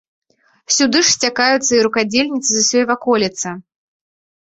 Сюды ж сцякаюцца і рукадзельніцы з усёй ваколіцы.